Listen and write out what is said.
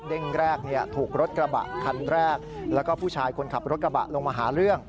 เร่งแรกถูกรถกระบะคันแรกแล้วก็ผู้ชายคนขับรถกระบะลงมาหาเรื่อง